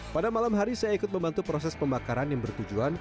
pada malam hari saya ikut membantu proses pembakaran yang bertujuan